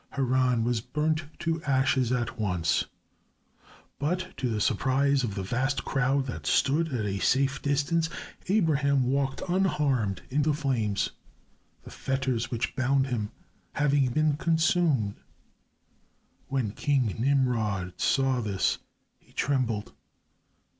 Haran was burned to ashes at once, but to the surprise of the vast crowd that stood at a safe distance, Abraham walked unharmed in the flames, the fetters which bound him having been consumed. When King Nimrod saw this, he trembled.